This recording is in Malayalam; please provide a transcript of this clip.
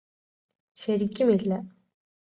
ശരിക്കും ഇല്ല